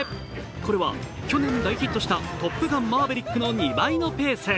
これは去年大ヒットした「トップガンマーヴェリック」の２倍のペース。